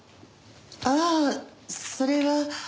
ああそれは。